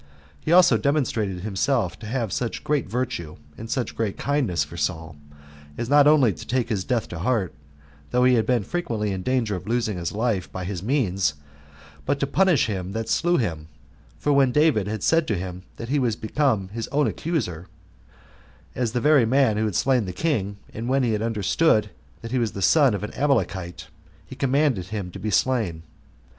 He also demonstrated himself to have such great virtue, and such great kindness for Saul, as not only to take his death to heart, though he had been frequently in danger of losing his life by his means, but to punish him that slew him; for when David had said to him that he was become his own accuser, as the very man who had slain the king, and when he had understood that he was the son of an Amalekite, he commanded him to be slain.